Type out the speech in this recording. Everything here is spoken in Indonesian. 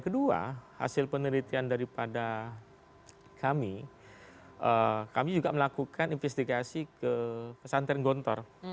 kedua hasil penelitian daripada kami kami juga melakukan investigasi ke pesantren gontor